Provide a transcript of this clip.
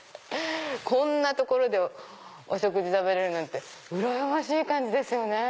こんなところでお食事食べれるなんてうらやましい感じですよね。